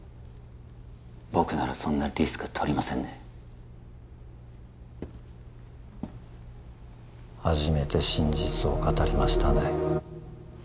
僕ならそんなリスクとりませんねはじめて真実を語りましたね